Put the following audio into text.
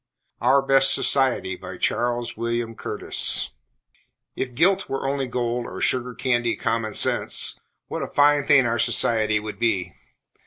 OUR BEST SOCIETY BY GEORGE WILLIAM CURTIS If gilt were only gold, or sugar candy common sense, what a fine thing our society would be!